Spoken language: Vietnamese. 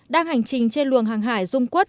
đang hành trình trên luồng hàng hải dung quốc